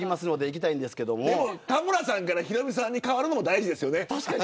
田村さんからヒロミさんに変わるのも大事ですよね。